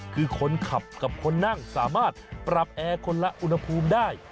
คือคนขับกับคนนั่งสามารถปรับแอร์คนละอุณหภูมิได้